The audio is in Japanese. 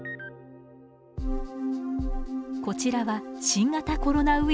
こちらは新型コロナウイルスです。